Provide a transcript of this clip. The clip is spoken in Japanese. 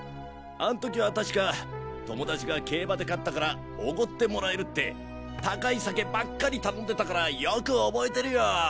あん時は確か友達が競馬で勝ったから奢ってもらえるって高い酒ばっかり頼んでたからよく覚えてるよ！